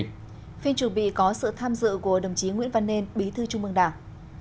phiên chủ bị có sự tham dự của đồng chí nguyễn văn nên bí thư trung mương đảng